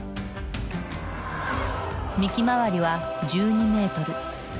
幹周りは１２メートル。